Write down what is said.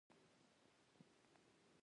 مچان د جوس پر سر کښېني